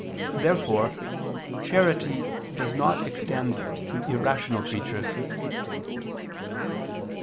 Therefore charity does not extend to irrational creatures.